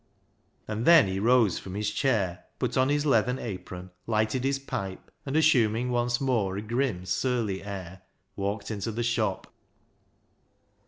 And then he rose from his chair, put on his leathern apron, lighted his pipe, and assuming once more a grim, surly air, walked into the shop.